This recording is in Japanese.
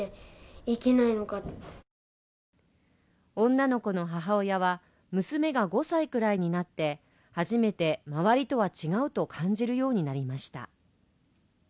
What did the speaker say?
女の子の母親は、娘が５歳くらいになって初めて周りとは違うと感じるようになりました。